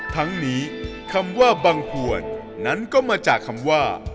ทั้งนี้คำว่าบังควรนั้นก็มาจากคำว่า